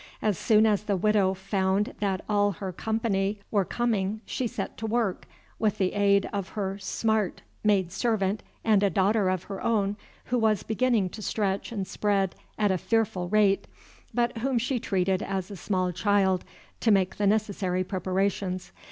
As soon as the Widow found that all her company were coming, she set to work, with the aid of her "smart" maid servant and a daughter of her own, who was beginning to stretch and spread at a fearful rate, but whom she treated as a small child, to make the necessary preparations.